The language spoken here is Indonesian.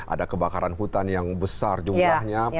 ada kebakaran hutan yang besar jumlahnya